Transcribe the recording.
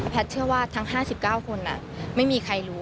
แพทย์เชื่อว่าทั้ง๕๙คนไม่มีใครรู้